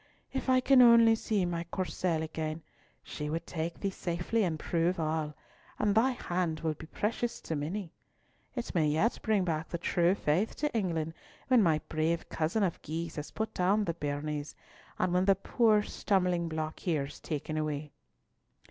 If I can only see my Courcelles again, she would take thee safely and prove all—and thy hand will be precious to many. It may yet bring back the true faith to England, when my brave cousin of Guise has put down the Bearnese, and when the poor stumbling block here is taken away."